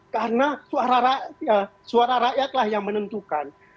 karena suara rakyatlah yang menentukan